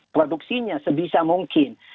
produksinya sebisa mungkin